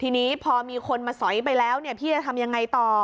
ทีนี้พอมีคนมาสอยไปแล้วพี่จะทำยังไงต่อ